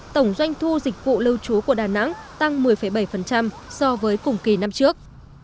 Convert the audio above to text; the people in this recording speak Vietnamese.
tổng doanh thu dịch vụ lưu trú của đà nẵng tăng một mươi bảy so với cùng kỳ năm trước